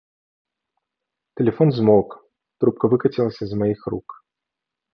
Тэлефон змоўк, трубка выкацілася з маіх рук.